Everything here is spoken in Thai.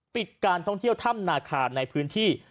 ปิดการท่องเที่ยวถ้ำนาคารในพื้นที่